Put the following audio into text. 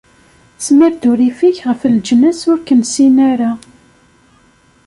Smir-d urrif-ik ɣef leǧnas ur k-nessin ara.